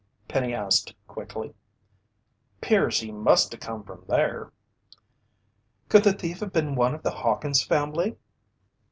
Penny asked quickly. "'Pears he must o' come from there." "Could the thief have been one of the Hawkins family?"